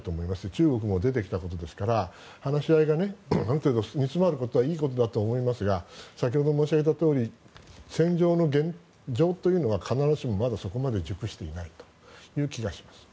中国も出てきたことですから話し合いがある程度、煮詰まることはいいことだと思いますが先ほど申し上げたとおり戦場の現状というのはまだそこまで必ずしも熟していないという気がします。